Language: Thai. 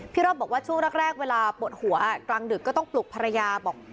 รอบบอกว่าช่วงแรกเวลาปวดหัวกลางดึกก็ต้องปลุกภรรยาบอก